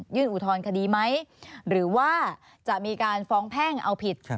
อุทธรณคดีไหมหรือว่าจะมีการฟ้องแพ่งเอาผิด